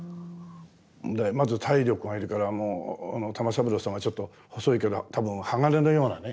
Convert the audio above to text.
まず体力がいるからもう玉三郎さんはちょっと細いけど多分鋼のようなね